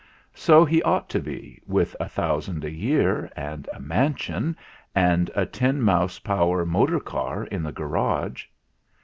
So he ought to be, with a thou sand a year and a mansion, and a ten mouse power motor car in the garage.